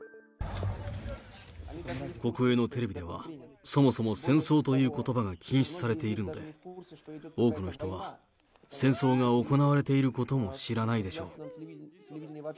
国営のテレビでは、そもそも戦争ということばが禁止されているので、多くの人は戦争が行われていることも知らないでしょう。